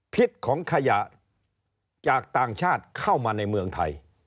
พิษของขยะจากต่างชาติเข้ามาในเมืองไทย